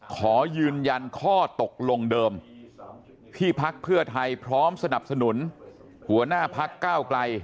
ขอยืนยันข้อตกลงเดิมที่พักเพื่อไทยพร้อมสนับสนุนหัวหน้าพักก้าวไกล